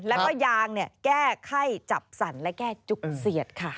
แล้วก็ยางแก้ไข้จับสั่นและแก้จุกเสียดค่ะ